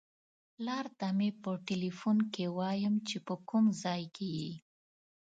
پلار ته مې په ټیلیفون کې وایم چې په کوم ځای کې یې.